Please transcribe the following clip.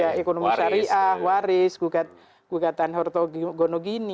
ya ekonomi syariah waris gugatan hortogonogini